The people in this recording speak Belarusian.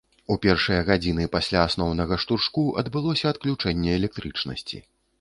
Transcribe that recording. У першыя гадзіны пасля асноўнага штуршку адбылося адключэнне электрычнасці.